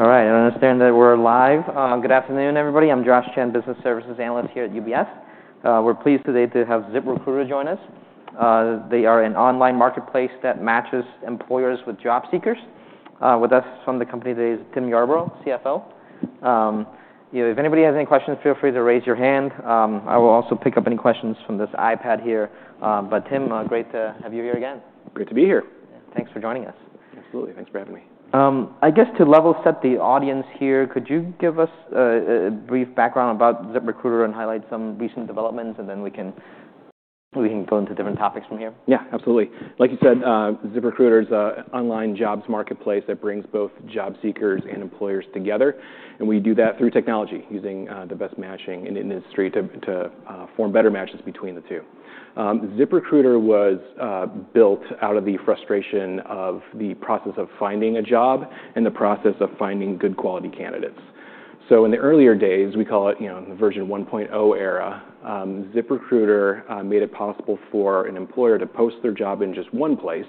All right. I understand that we're live. Good afternoon, everybody. I'm Josh Chan, Business Services Analyst here at UBS. We're pleased today to have ZipRecruiter join us. They are an online marketplace that matches employers with job seekers. With us from the company today is Tim Yarbrough, CFO. You know, if anybody has any questions, feel free to raise your hand. I will also pick up any questions from this iPad here. But Tim, great to have you here again. Great to be here. Yeah. Thanks for joining us. Absolutely. Thanks for having me. I guess to level set the audience here, could you give us a brief background about ZipRecruiter and highlight some recent developments, and then we can go into different topics from here? Yeah. Absolutely. Like you said, ZipRecruiter is an online jobs marketplace that brings both job seekers and employers together. And we do that through technology, using the best matching in the industry to form better matches between the two. ZipRecruiter was built out of the frustration of the process of finding a job and the process of finding good quality candidates. So in the earlier days, we call it, you know, the version 1.0 era, ZipRecruiter made it possible for an employer to post their job in just one place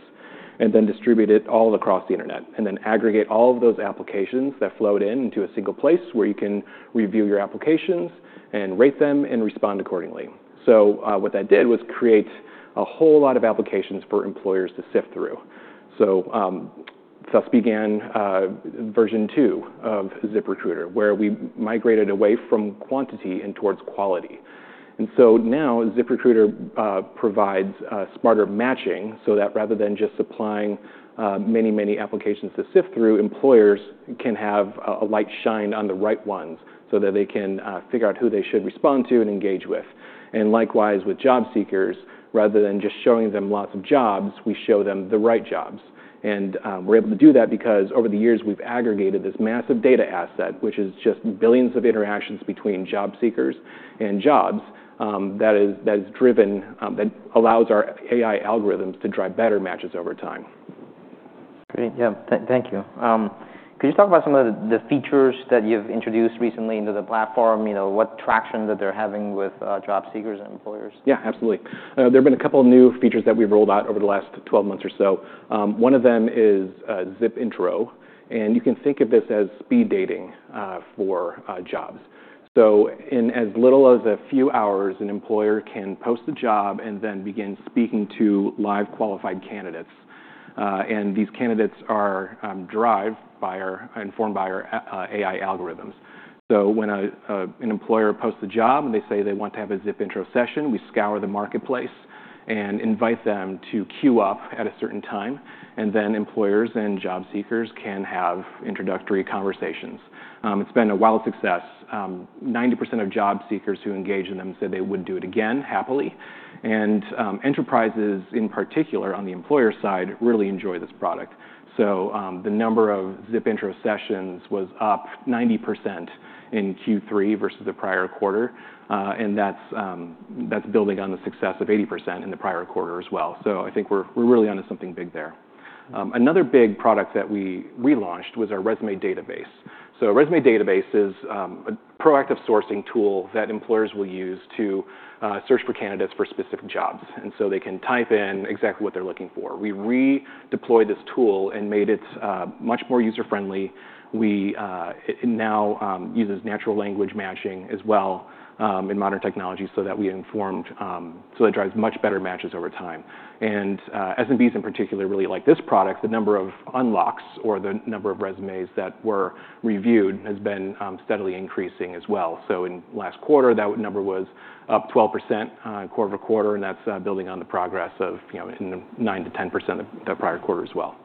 and then distribute it all across the internet, and then aggregate all of those applications that flowed in into a single place where you can review your applications and rate them and respond accordingly. So, what that did was create a whole lot of applications for employers to sift through. So thus began version two of ZipRecruiter, where we migrated away from quantity and towards quality. And so now ZipRecruiter provides smarter matching so that rather than just supplying many, many applications to sift through, employers can have a light shine on the right ones so that they can figure out who they should respond to and engage with. And likewise with job seekers, rather than just showing them lots of jobs, we show them the right jobs. And we're able to do that because over the years we've aggregated this massive data asset, which is just billions of interactions between job seekers and jobs, that is driven that allows our AI algorithms to drive better matches over time. Great. Yeah. Thank you. Could you talk about some of the features that you've introduced recently into the platform? You know, what traction that they're having with job seekers and employers? Yeah. Absolutely. There have been a couple of new features that we've rolled out over the last 12 months or so. One of them is ZipIntro. And you can think of this as speed dating for jobs. So in as little as a few hours, an employer can post a job and then begin speaking to live qualified candidates. And these candidates are derived by our AI algorithms. So when an employer posts a job and they say they want to have a ZipIntro session, we scour the marketplace and invite them to queue up at a certain time. And then employers and job seekers can have introductory conversations. It's been a wild success. 90% of job seekers who engage in them said they would do it again, happily. And enterprises in particular on the employer side really enjoy this product. So, the number of ZipIntro sessions was up 90% in Q3 versus the prior quarter. And that's building on the success of 80% in the prior quarter as well. I think we're really onto something big there. Another big product that we relaunched was our Resume Database. A Resume Database is a proactive sourcing tool that employers will use to search for candidates for specific jobs. And so they can type in exactly what they're looking for. We redeployed this tool and made it much more user-friendly. It now uses natural language matching as well, in modern technology so that it informs, so it drives much better matches over time. And SMBs in particular really like this product. The number of unlocks or the number of resumes that were reviewed has been steadily increasing as well. So in last quarter, that number was up 12%, quarter-over-quarter. And that's, building on the progress of, you know, 9%-10% of the prior quarter as well.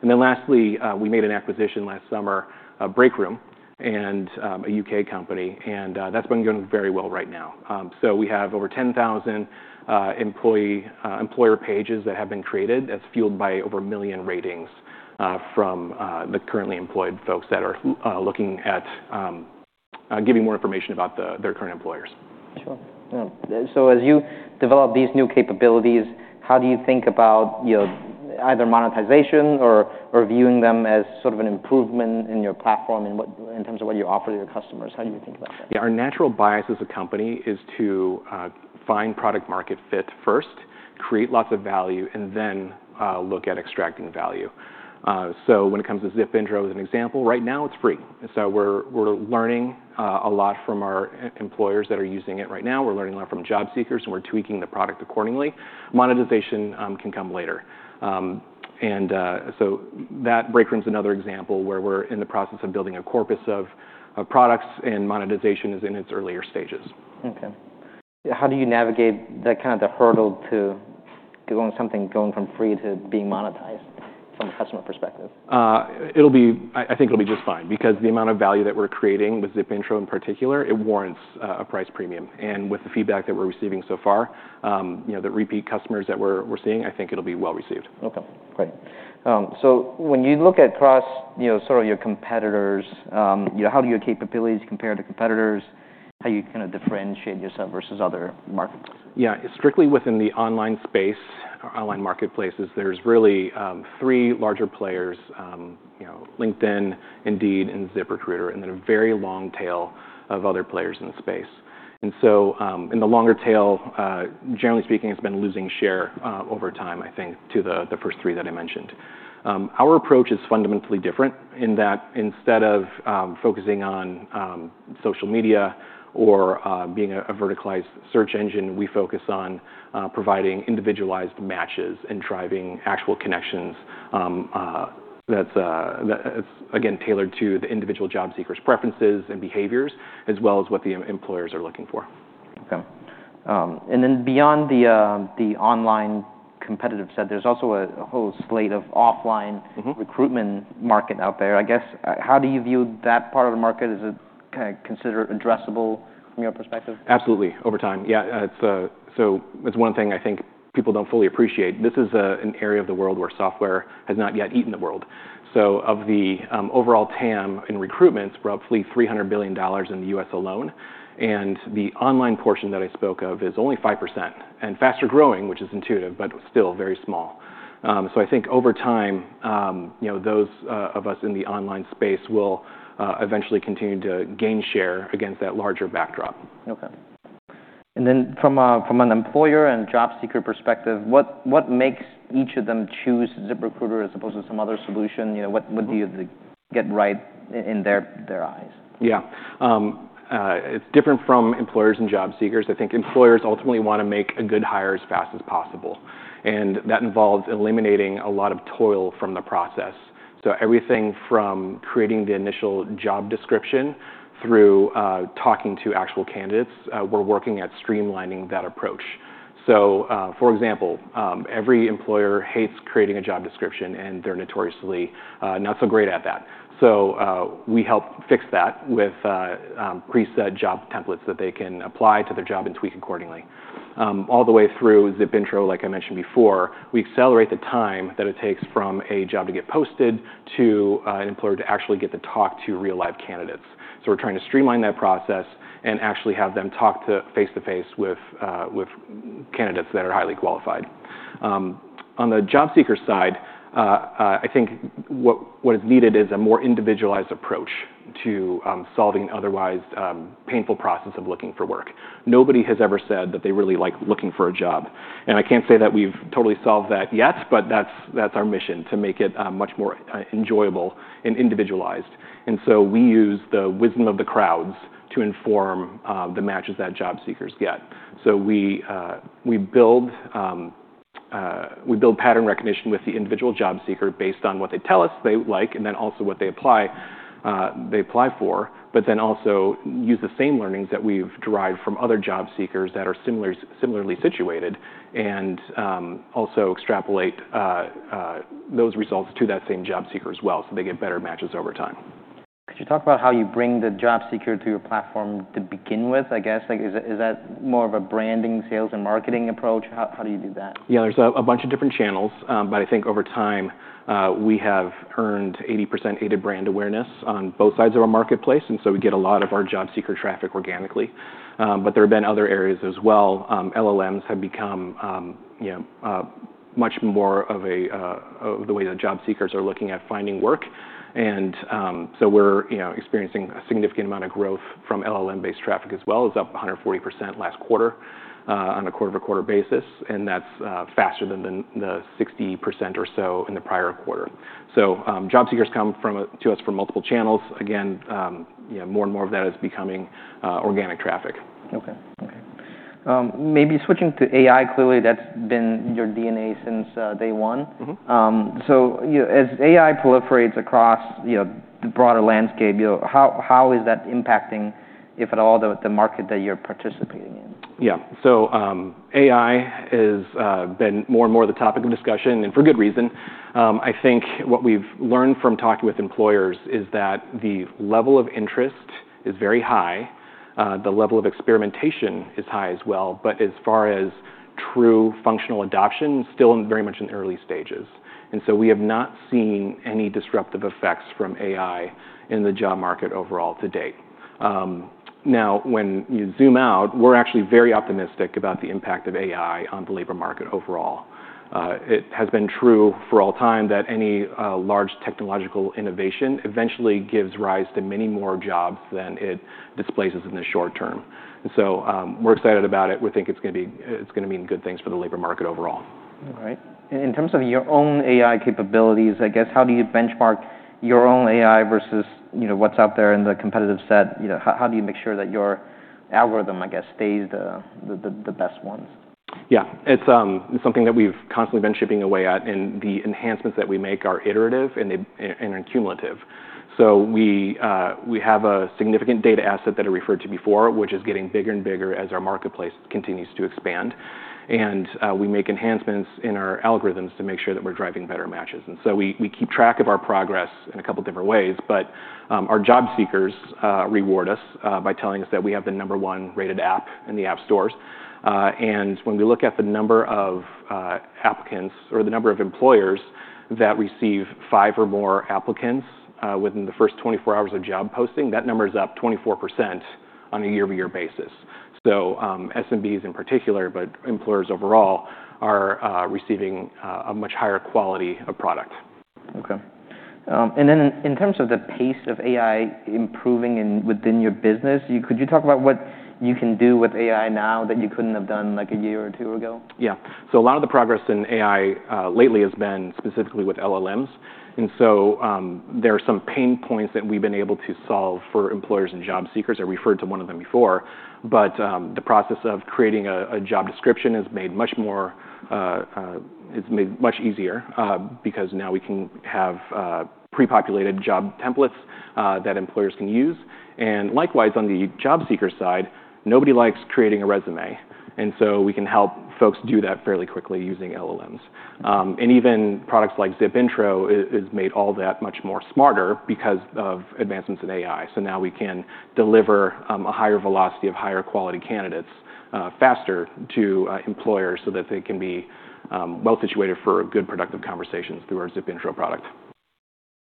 And then lastly, we made an acquisition last summer, Breakroom, and, a U.K. company. And, that's been going very well right now. So we have over 10,000 employer pages that have been created. That's fueled by over a million ratings, from, the currently employed folks that are, looking at, giving more information about their current employers. Sure. Yeah. So as you develop these new capabilities, how do you think about, you know, either monetization or viewing them as sort of an improvement in your platform in terms of what you offer to your customers? How do you think about that? Yeah. Our natural bias as a company is to find product-market fit first, create lots of value, and then look at extracting value, so when it comes to ZipIntro as an example, right now it's free, so we're learning a lot from our employers that are using it right now. We're learning a lot from job seekers, and we're tweaking the product accordingly. Monetization can come later, and so Breakroom's another example where we're in the process of building a corpus of products, and monetization is in its earlier stages. Okay. Yeah. How do you navigate that kind of hurdle to going from free to being monetized from a customer perspective? It'll be, I think, it'll be just fine because the amount of value that we're creating with ZipIntro in particular warrants a price premium, and with the feedback that we're receiving so far, you know, the repeat customers that we're seeing, I think it'll be well received. Okay. Great. So when you look across, you know, sort of your competitors, you know, how do your capabilities compare to competitors? How do you kind of differentiate yourself versus other markets? Yeah. Strictly within the online space, online marketplaces, there's really three larger players, you know, LinkedIn, Indeed, and ZipRecruiter, and then a very long tail of other players in the space. And so, in the longer tail, generally speaking, it's been losing share over time, I think, to the first three that I mentioned. Our approach is fundamentally different in that instead of focusing on social media or being a verticalized search engine, we focus on providing individualized matches and driving actual connections. That's that it's again tailored to the individual job seekers' preferences and behaviors, as well as what the employers are looking for. Okay, and then beyond the online competitive set, there's also a whole slate of offline. Mm-hmm. Recruitment market out there. I guess, how do you view that part of the market? Is it kind of considered addressable from your perspective? Absolutely. Over time. Yeah. It's, so it's one thing I think people don't fully appreciate. This is an area of the world where software has not yet eaten the world. So of the overall TAM in recruitment, we're up fully $300 billion in the U.S. alone. And the online portion that I spoke of is only 5% and faster growing, which is intuitive, but still very small. So I think over time, you know, those of us in the online space will eventually continue to gain share against that larger backdrop. Okay. And then from an employer and job seeker perspective, what makes each of them choose ZipRecruiter as opposed to some other solution? You know, what do you think gets right in their eyes? Yeah. It's different from employers and job seekers. I think employers ultimately want to make a good hire as fast as possible, and that involves eliminating a lot of toil from the process. So everything from creating the initial job description through talking to actual candidates, we're working at streamlining that approach. So, for example, every employer hates creating a job description, and they're notoriously not so great at that. So, we help fix that with preset job templates that they can apply to their job and tweak accordingly. All the way through ZipIntro, like I mentioned before, we accelerate the time that it takes from a job to get posted to an employer to actually get to talk to real-life candidates. So we're trying to streamline that process and actually have them talk face-to-face with candidates that are highly qualified. On the job seeker side, I think what is needed is a more individualized approach to solving an otherwise painful process of looking for work. Nobody has ever said that they really like looking for a job. And I can't say that we've totally solved that yet, but that's our mission to make it much more enjoyable and individualized. And so we use the wisdom of the crowds to inform the matches that job seekers get. So we build pattern recognition with the individual job seeker based on what they tell us they like and then also what they apply for, but then also use the same learnings that we've derived from other job seekers that are similarly situated and also extrapolate those results to that same job seeker as well so they get better matches over time. Could you talk about how you bring the job seeker to your platform to begin with, I guess? Like, is it that more of a branding, sales, and marketing approach? How, how do you do that? Yeah. There's a bunch of different channels. I think over time, we have earned 80% aided brand awareness on both sides of our marketplace. And so we get a lot of our job seeker traffic organically. There have been other areas as well. LLMs have become, you know, much more of a way that job seekers are looking at finding work. And so we're, you know, experiencing a significant amount of growth from LLM-based traffic as well. It was up 140% last quarter, on a quarter-over-quarter basis. And that's faster than the 60% or so in the prior quarter. Job seekers come to us from multiple channels. Again, you know, more and more of that is becoming organic traffic. Okay. Okay, maybe switching to AI. Clearly that's been your DNA since day one. Mm-hmm. So, you know, as AI proliferates across, you know, the broader landscape, you know, how is that impacting, if at all, the market that you're participating in? Yeah. So, AI has been more and more the topic of discussion, and for good reason. I think what we've learned from talking with employers is that the level of interest is very high. The level of experimentation is high as well. But as far as true functional adoption, it's still very much in the early stages. And so we have not seen any disruptive effects from AI in the job market overall to date. Now when you zoom out, we're actually very optimistic about the impact of AI on the labor market overall. It has been true for all time that any large technological innovation eventually gives rise to many more jobs than it displaces in the short term. And so, we're excited about it. We think it's going to mean good things for the labor market overall. All right. And in terms of your own AI capabilities, I guess, how do you benchmark your own AI versus, you know, what's out there in the competitive set? You know, how do you make sure that your algorithm, I guess, stays the best ones? Yeah. It's something that we've constantly been chipping away at. And the enhancements that we make are iterative and cumulative. So we have a significant data asset that I referred to before, which is getting bigger and bigger as our marketplace continues to expand. And we make enhancements in our algorithms to make sure that we're driving better matches. And so we keep track of our progress in a couple of different ways. But our job seekers reward us by telling us that we have the number one rated app in the app stores. And when we look at the number of applicants or the number of employers that receive five or more applicants within the first 24 hours of job posting, that number is up 24% on a year-to-year basis. SMBs in particular, but employers overall are receiving a much higher quality of product. Okay, and then in terms of the pace of AI improving within your business, could you talk about what you can do with AI now that you couldn't have done like a year or two ago? Yeah. So a lot of the progress in AI lately has been specifically with LLMs, and so there are some pain points that we've been able to solve for employers and job seekers. I referred to one of them before, but the process of creating a job description. It's made much easier, because now we can have pre-populated job templates that employers can use, and likewise, on the job seeker side, nobody likes creating a resume, and so we can help folks do that fairly quickly using LLMs, and even products like ZipIntro is made all that much more smarter because of advancements in AI, so now we can deliver a higher velocity of higher quality candidates faster to employers so that they can be well situated for good productive conversations through our ZipIntro product.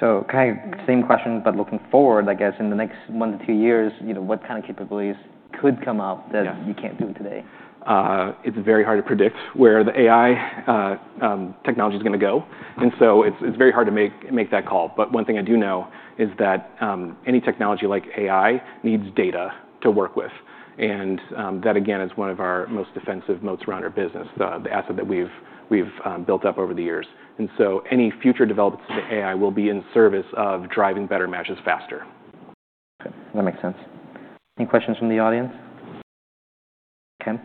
So kind of same question, but looking forward, I guess, in the next one to two years, you know, what kind of capabilities could come up that you can't do today? It's very hard to predict where the AI technology is going to go. And so it's very hard to make that call. But one thing I do know is that any technology like AI needs data to work with. And that again is one of our most defensive moats around our business, the asset that we've built up over the years. And so any future developments in the AI will be in service of driving better matches faster. Okay. That makes sense. Any questions from the audience? Okay.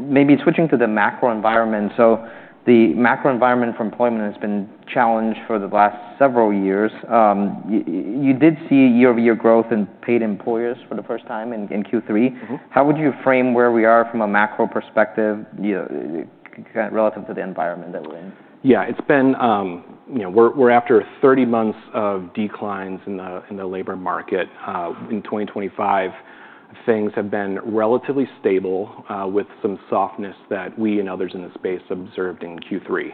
Maybe switching to the macro environment. So the macro environment for employment has been challenged for the last several years. You did see year-over-year growth in paid employers for the first time in Q3. How would you frame where we are from a macro perspective, you know, kind of relative to the environment that we're in? Yeah. It's been, you know, we're after 30 months of declines in the labor market. In 2025, things have been relatively stable, with some softness that we and others in the space observed in Q3.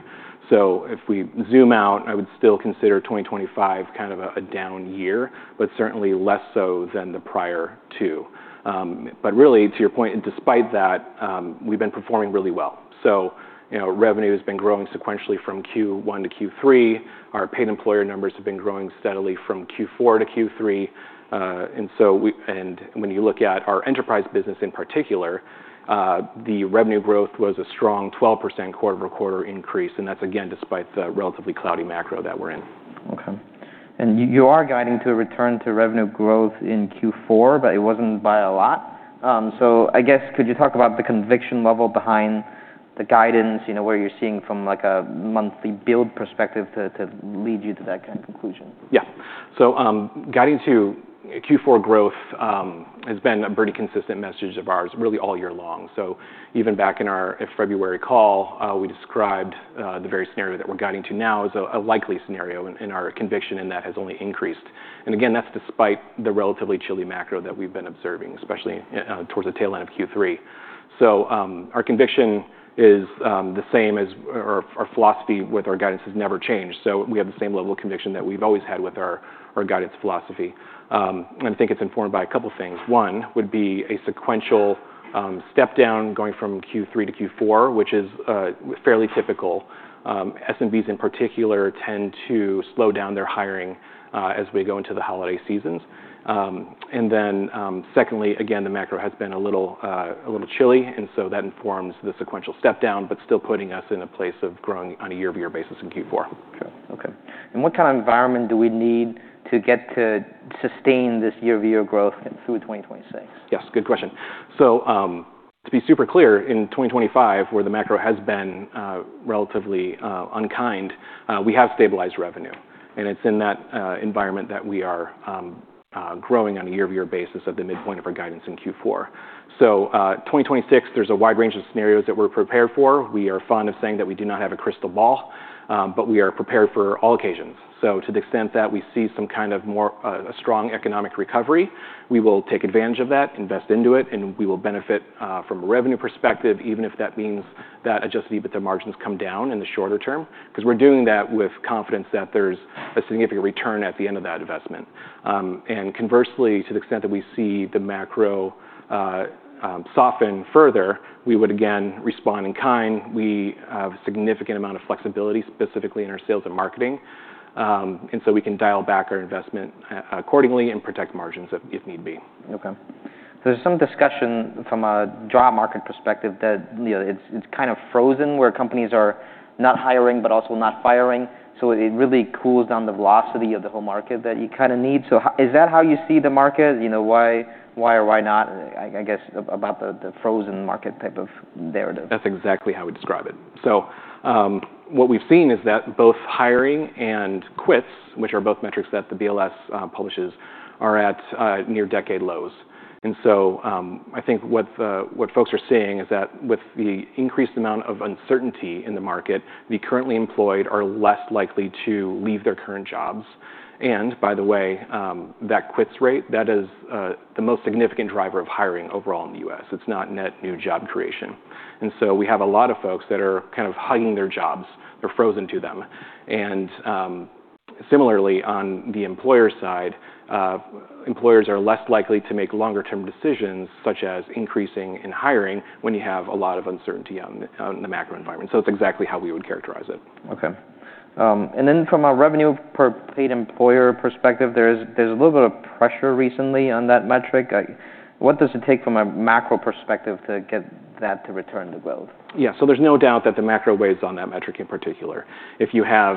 So if we zoom out, I would still consider 2025 kind of a down year, but certainly less so than the prior two, but really, to your point, and despite that, we've been performing really well. So, you know, revenue has been growing sequentially from Q1 to Q3. Our paid employer numbers have been growing steadily from Q4 to Q3. And so, when you look at our enterprise business in particular, the revenue growth was a strong 12% quarter-over-quarter increase. And that's again despite the relatively cloudy macro that we're in. Okay. And you are guiding to a return to revenue growth in Q4, but it wasn't by a lot. So I guess, could you talk about the conviction level behind the guidance, you know, where you're seeing from like a monthly build perspective to lead you to that kind of conclusion? Yeah. Guiding to Q4 growth has been a pretty consistent message of ours really all year long. Even back in our February call, we described the very scenario that we're guiding to now as a likely scenario in our conviction, and that has only increased. Again, that's despite the relatively chilly macro that we've been observing, especially towards the tail end of Q3. Our conviction is the same as our philosophy with our guidance has never changed. We have the same level of conviction that we've always had with our guidance philosophy, and I think it's informed by a couple of things. One would be a sequential step down going from Q3 to Q4, which is fairly typical. SMBs in particular tend to slow down their hiring, as we go into the holiday seasons. And then, secondly, again, the macro has been a little, a little chilly, and so that informs the sequential step down, but still putting us in a place of growing on a year-over-year basis in Q4. What kind of environment do we need to get to sustain this year-over-year growth through 2026? Yes. Good question. So, to be super clear, in 2025, where the macro has been relatively unkind, we have stabilized revenue, and it's in that environment that we are growing on a year-over-year basis at the midpoint of our guidance in Q4, so 2026, there's a wide range of scenarios that we're prepared for. We are fond of saying that we do not have a crystal ball, but we are prepared for all occasions. So to the extent that we see some kind of more, a strong economic recovery, we will take advantage of that, invest into it, and we will benefit from a revenue perspective, even if that means that Adjusted EBITDA margins come down in the shorter term, because we're doing that with confidence that there's a significant return at the end of that investment. And conversely, to the extent that we see the macro soften further, we would again respond in kind. We have a significant amount of flexibility, specifically in our sales and marketing. And so we can dial back our investment accordingly and protect margins if need be. Okay. There's some discussion from a job market perspective that, you know, it's kind of frozen where companies are not hiring, but also not firing, so it really cools down the velocity of the whole market that you kind of need, so is that how you see the market? You know, why or why not? I guess about the frozen market type of narrative. That's exactly how we describe it. So, what we've seen is that both hiring and quits, which are both metrics that the BLS publishes, are at near decade lows. And so, I think what folks are seeing is that with the increased amount of uncertainty in the market, the currently employed are less likely to leave their current jobs. And by the way, that quits rate, that is, the most significant driver of hiring overall in the U.S. It's not net new job creation. And so we have a lot of folks that are kind of hugging their jobs. They're frozen to them. And, similarly, on the employer side, employers are less likely to make longer-term decisions, such as increasing in hiring when you have a lot of uncertainty on the macro environment. So it's exactly how we would characterize it. Okay. And then from a revenue per paid employer perspective, there's a little bit of pressure recently on that metric. What does it take from a macro perspective to get that to return to growth? Yeah. So there's no doubt that the macro weighs on that metric in particular. If you have,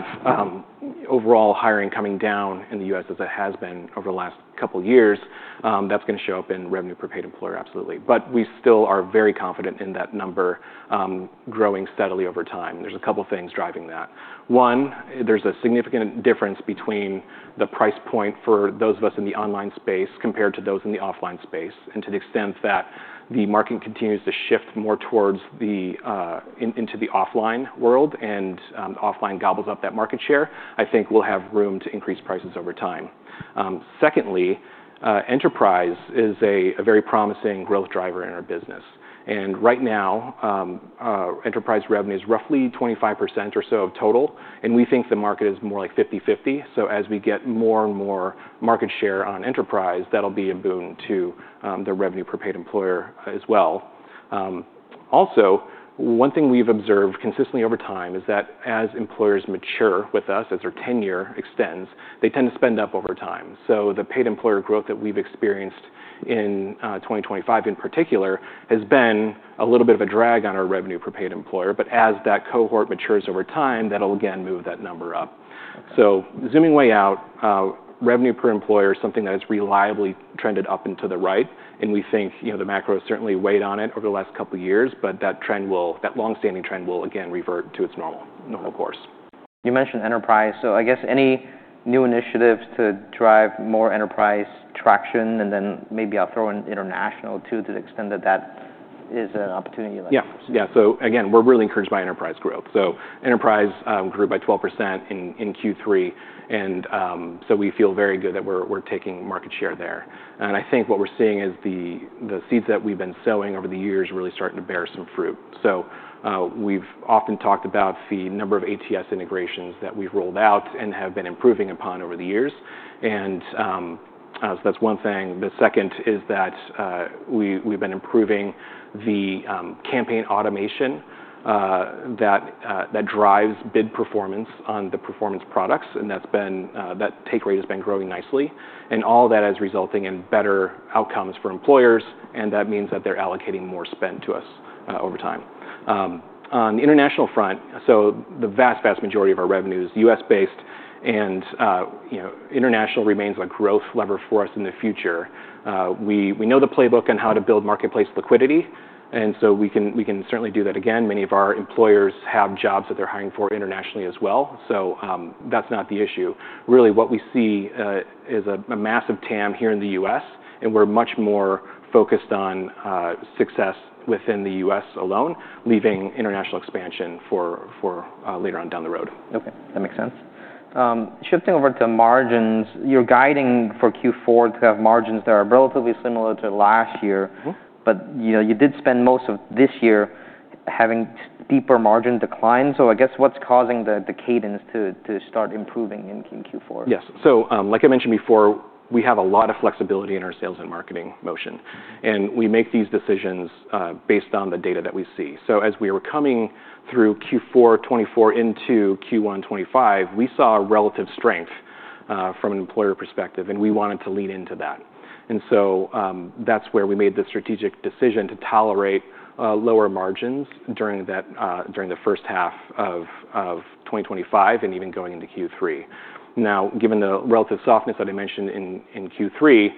overall hiring coming down in the U.S. as it has been over the last couple of years, that's going to show up in revenue per paid employer, absolutely. But we still are very confident in that number, growing steadily over time. There's a couple of things driving that. One, there's a significant difference between the price point for those of us in the online space compared to those in the offline space. And to the extent that the market continues to shift more towards the, into the offline world and, offline gobbles up that market share, I think we'll have room to increase prices over time. Secondly, enterprise is a, a very promising growth driver in our business. And right now, enterprise revenue is roughly 25% or so of total. And we think the market is more like 50/50. So as we get more and more market share on enterprise, that'll be a boon to the revenue per paid employer as well. Also, one thing we've observed consistently over time is that as employers mature with us, as their tenure extends, they tend to spend up over time. So the paid employer growth that we've experienced in 2025 in particular has been a little bit of a drag on our revenue per paid employer. But as that cohort matures over time, that'll again move that number up. So zooming way out, revenue per employer is something that has reliably trended up and to the right. And we think, you know, the macro has certainly weighed on it over the last couple of years, but that trend will, that long-standing trend will again revert to its normal course. You mentioned enterprise. So I guess any new initiatives to drive more enterprise traction? And then maybe I'll throw in international too, to the extent that that is an opportunity like that. Yeah. Yeah. So again, we're really encouraged by enterprise growth. So enterprise grew by 12% in Q3. And so we feel very good that we're taking market share there. And I think what we're seeing is the seeds that we've been sowing over the years really starting to bear some fruit. So we've often talked about the number of ATS integrations that we've rolled out and have been improving upon over the years. And so that's one thing. The second is that we've been improving the campaign automation that drives bid performance on the performance products. And that take rate has been growing nicely. And all that is resulting in better outcomes for employers. And that means that they're allocating more spend to us over time. On the international front, so the vast, vast majority of our revenue is U.S.-based and, you know, international remains a growth lever for us in the future. We know the playbook on how to build marketplace liquidity. And so we can certainly do that again. Many of our employers have jobs that they're hiring for internationally as well. So, that's not the issue. Really, what we see is a massive TAM here in the U.S. And we're much more focused on success within the U.S. alone, leaving international expansion for later on down the road. Okay. That makes sense. Shifting over to margins, you're guiding for Q4 to have margins that are relatively similar to last year. But, you know, you did spend most of this year having deeper margin declines. So I guess what's causing the cadence to start improving in Q4? Yes. So, like I mentioned before, we have a lot of flexibility in our sales and marketing motion. And we make these decisions, based on the data that we see. So as we were coming through Q4 2024 into Q1 2025, we saw a relative strength, from an employer perspective, and we wanted to lean into that. And so, that's where we made the strategic decision to tolerate lower margins during that, the first half of 2025 and even going into Q3. Now, given the relative softness that I mentioned in Q3,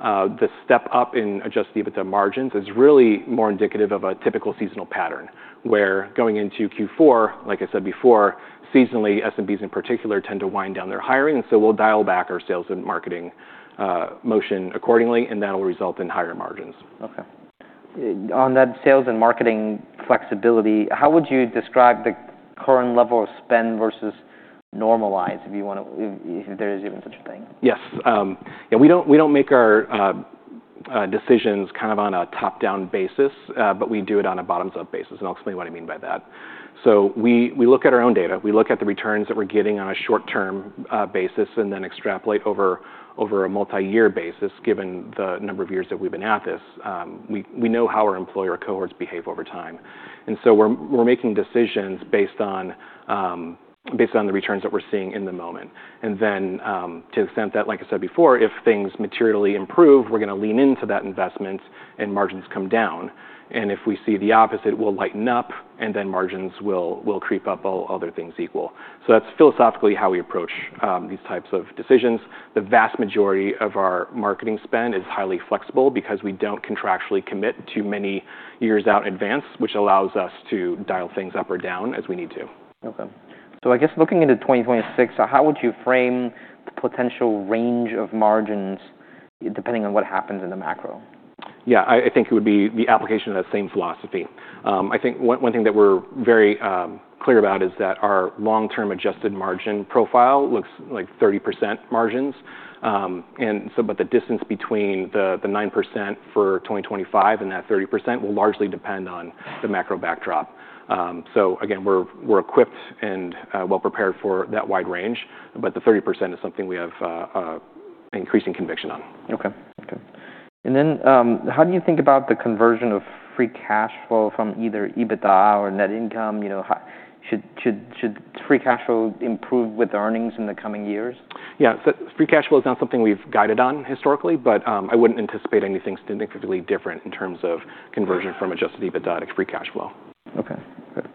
the step up in Adjusted EBITDA margins is really more indicative of a typical seasonal pattern where going into Q4, like I said before, seasonally, SMBs in particular tend to wind down their hiring. And so we'll dial back our sales and marketing motion accordingly, and that'll result in higher margins. Okay. On that sales and marketing flexibility, how would you describe the current level of spend versus normalize if you want to, if there is even such a thing? Yes. Yeah, we don't make our decisions kind of on a top-down basis, but we do it on a bottoms-up basis. And I'll explain what I mean by that. So we look at our own data. We look at the returns that we're getting on a short-term basis and then extrapolate over a multi-year basis given the number of years that we've been at this. We know how our employer cohorts behave over time. And so we're making decisions based on the returns that we're seeing in the moment. And then, to the extent that, like I said before, if things materially improve, we're going to lean into that investment and margins come down. And if we see the opposite, we'll lighten up and then margins will creep up while other things equal. So that's philosophically how we approach these types of decisions. The vast majority of our marketing spend is highly flexible because we don't contractually commit to many years out in advance, which allows us to dial things up or down as we need to. Okay. So I guess looking into 2026, how would you frame the potential range of margins depending on what happens in the macro? Yeah. I think it would be the application of that same philosophy. I think one thing that we're very clear about is that our long-term adjusted margin profile looks like 30% margins. But the distance between the 9% for 2025 and that 30% will largely depend on the macro backdrop. So again, we're equipped and well prepared for that wide range. But the 30% is something we have increasing conviction on. Okay. Okay. And then, how do you think about the conversion of free cash flow from either EBITDA or net income? You know, should free cash flow improve with earnings in the coming years? Yeah. So free cash flow is not something we've guided on historically, but, I wouldn't anticipate anything significantly different in terms of conversion from Adjusted EBITDA to free cash flow. Okay. Good.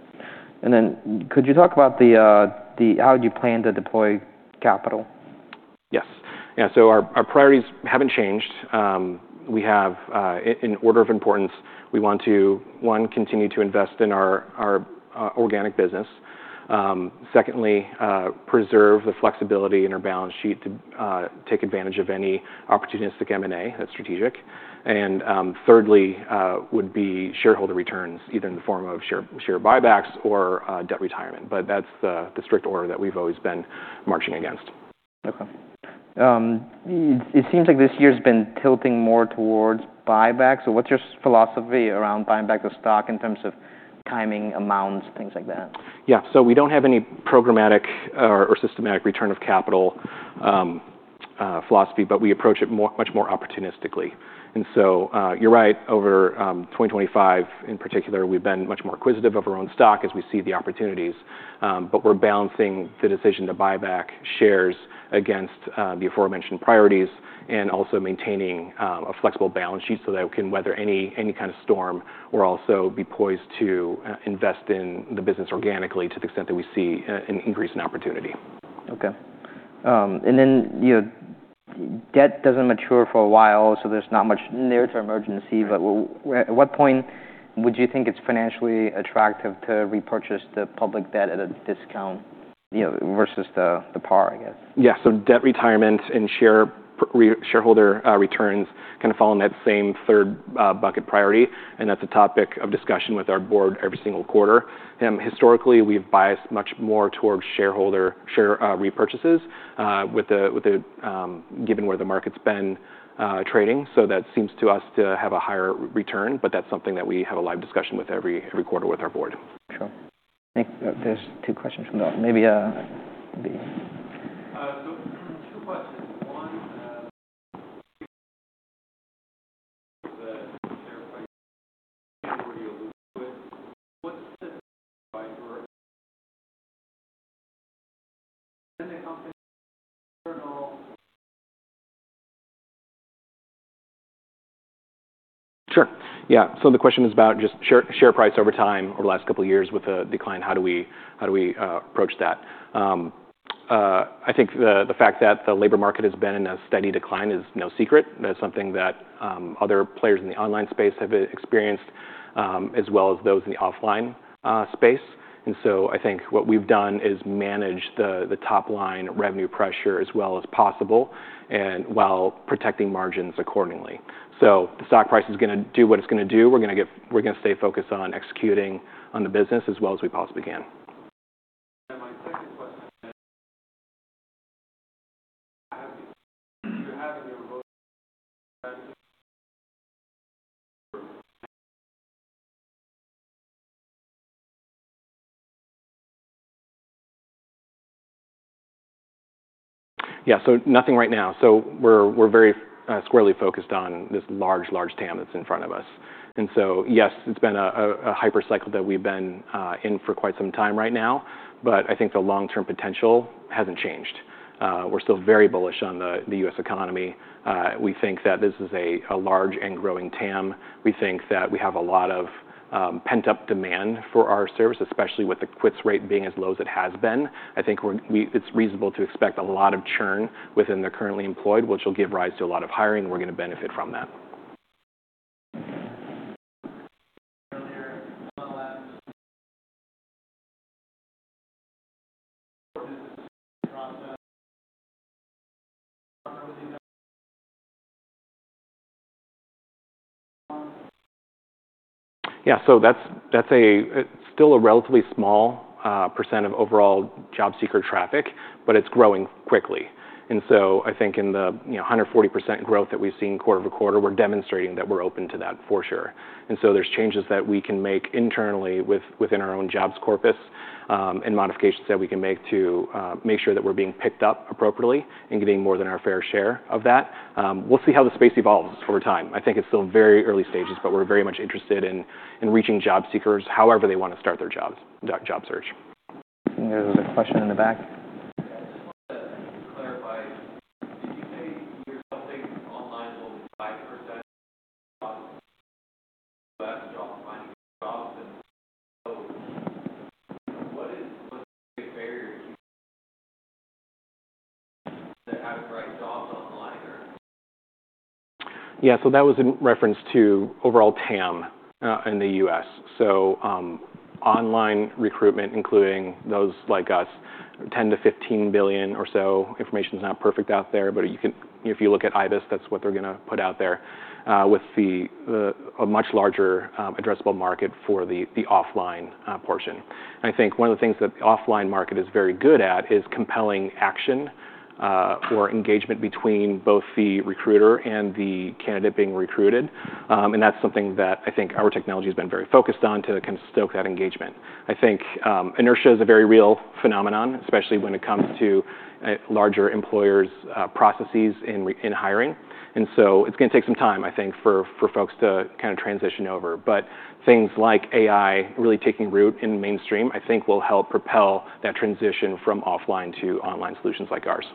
And then could you talk about the how do you plan to deploy capital? Yes. Yeah. So our priorities haven't changed. We have in order of importance, we want to one, continue to invest in our organic business. Secondly, preserve the flexibility in our balance sheet to take advantage of any opportunistic M&A that's strategic. And thirdly, would be shareholder returns either in the form of share buybacks or debt retirement. But that's the strict order that we've always been marching against. Okay. It seems like this year has been tilting more towards buybacks. So what's your philosophy around buying back the stock in terms of timing amounts, things like that? Yeah. So we don't have any programmatic or systematic return of capital philosophy, but we approach it much more opportunistically. And so, you're right. Over 2025 in particular, we've been much more acquisitive of our own stock as we see the opportunities. But we're balancing the decision to buy back shares against the aforementioned priorities and also maintaining a flexible balance sheet so that we can weather any kind of storm or also be poised to invest in the business organically to the extent that we see an increase in opportunity. Okay. And then, you know, debt doesn't mature for a while, so there's not much near-term urgency. But at what point would you think it's financially attractive to repurchase the public debt at a discount, you know, versus the par, I guess? Yeah. So debt retirement and shareholder returns kind of fall in that same third bucket priority. And that's a topic of discussion with our board every single quarter. Historically, we've biased much more towards share repurchases, with the given where the market's been trading. So that seems to us to have a higher return. But that's something that we have a live discussion with every quarter with our board. Sure. Thank you. There's two questions from the. So two questions. One, Sure. Yeah, so the question is about just share price over time over the last couple of years with a decline. How do we approach that? I think the fact that the labor market has been in a steady decline is no secret. That's something that other players in the online space have experienced, as well as those in the offline space. And so I think what we've done is manage the top-line revenue pressure as well as possible and while protecting margins accordingly, so the stock price is going to do what it's going to do. We're going to stay focused on executing on the business as well as we possibly can. Yeah. So nothing right now. So we're very squarely focused on this large TAM that's in front of us. And so, yes, it's been a hype cycle that we've been in for quite some time right now. But I think the long-term potential hasn't changed. We're still very bullish on the U.S. economy. We think that this is a large and growing TAM. We think that we have a lot of pent-up demand for our service, especially with the quits rate being as low as it has been. I think it's reasonable to expect a lot of churn within the currently employed, which will give rise to a lot of hiring. We're going to benefit from that. Yeah. So that's a relatively small percent of overall job seeker traffic, but it's growing quickly. And so I think in the you know 140% growth that we've seen quarter over quarter, we're demonstrating that we're open to that for sure. And so there's changes that we can make internally within our own jobs corpus, and modifications that we can make to make sure that we're being picked up appropriately and getting more than our fair share of that. We'll see how the space evolves over time. I think it's still very early stages, but we're very much interested in reaching job seekers however they want to start their job search. There's a question in the back. Yeah. So that was in reference to overall TAM in the U.S. So online recruitment, including those like us, $10-15 billion or so. Information's not perfect out there, but you can, if you look at IBISWorld, that's what they're going to put out there, with a much larger addressable market for the offline portion. And I think one of the things that the offline market is very good at is compelling action, or engagement between both the recruiter and the candidate being recruited. And that's something that I think our technology has been very focused on to kind of stoke that engagement. I think inertia is a very real phenomenon, especially when it comes to larger employers, processes in hiring. And so it's going to take some time, I think, for folks to kind of transition over. But things like AI really taking root in mainstream, I think will help propel that transition from offline to online solutions like ours.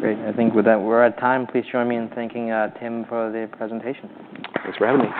Great. I think with that, we're at time. Please join me in thanking Tim for the presentation. Thanks for having me.